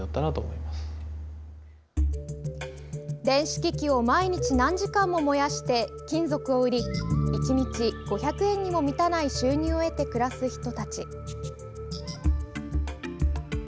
電子機器を毎日何時間も燃やして金属を売り１日５００円にも満たない収入を得て暮らす人たち。